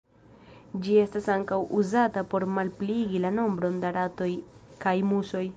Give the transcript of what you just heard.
Ĝi estas ankaŭ uzata por malpliigi la nombron da ratoj kaj musoj.